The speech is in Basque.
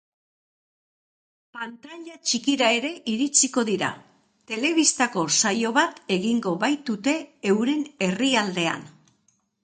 Pantaila txikira ere iritsiko dira, telebistako saio bat egingo baitute euren herrialdean.